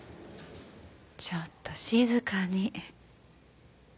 ちょっと静かに。